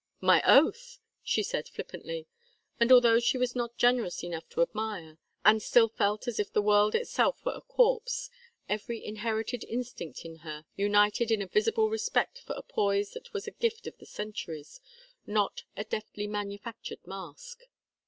"My oath!" she said, flippantly; and although she was not generous enough to admire, and still felt as if the world itself were a corpse, every inherited instinct in her united in a visible respect for a poise that was a gift of the centuries, not a deftly manufactured mask.